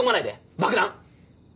爆弾？